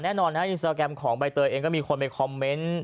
แน่นอนนะอินสตราแกรมของใบเตยเองก็มีคนไปคอมเมนต์